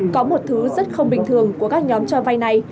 có một thứ rất không bình thường của các nhóm cho vay này